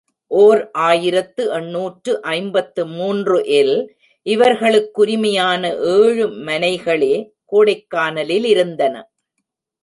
ஓர் ஆயிரத்து எண்ணூற்று ஐம்பத்து மூன்று இல் இவர்களுக்குரிமையான ஏழுமனைகளே கோடைக்கானலிலிருந்தன.